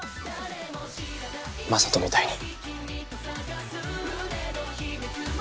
雅人みたいに。